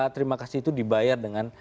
terima kasih itu dibayar dengan